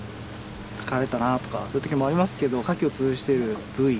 疲れたなとかそういう時もありますけどカキをつるしてるブイ